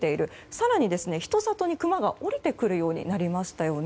更に、人里にクマが下りてくるようになりましたよね。